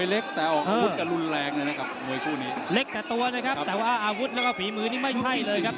เล็กแต่ตัวนะครับแต่ว่าอาวุธและผลมือนี่ไม่ใช่เลยครับ